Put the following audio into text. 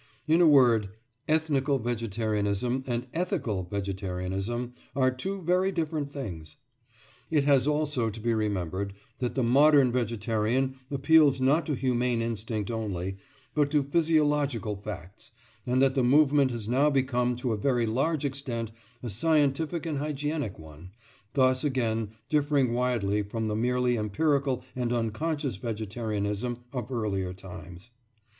In a word, ethnical vegetarianism and ethical vegetarianism are two very different things. It has also to be remembered that the modern vegetarian appeals not to humane instinct only, but to physiological facts, and that the movement has now become to a very large extent a scientific and hygienic one, thus again differing widely from the merely empirical and unconscious vegetarianism of earlier times.